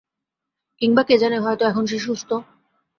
কিংবা কে জানে হয়তো এখন সে সুস্থ।